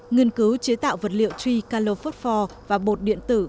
nghiên cứu chế tạo vật liệu truy calophosphor và bột điện tử